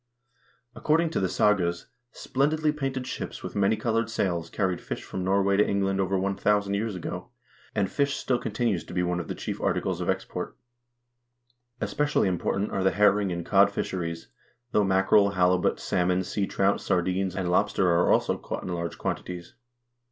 According to the sagas, splendidly painted ships with many colored sails carried fish from Norway to England over 1000 years ago, and fish still continues to be one of the chief articles of ex port. Especially important are the herring and cod fisheries, though mackerel, halibut, salmon, seatrout, sardines, and lobster are also caught in large quantities.